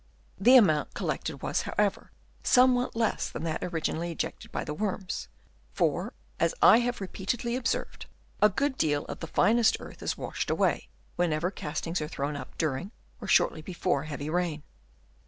The amount collected was, however, somewhat less than that originally ejected by the worms ; for, as I have repeatedly observed, a good deal of the finest earth is washed away, whenever castings are thrown up during or shortly before heavy rain.